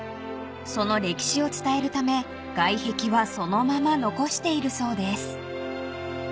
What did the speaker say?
［その歴史を伝えるため外壁はそのまま残しているそうです］